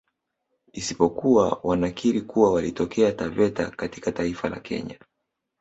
Isipokuwa wanakiri kuwa walitokea Taveta katika taifa la Kenya